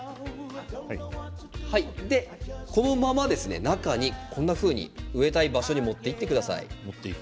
このまま中に植えたい場所に持っていってください。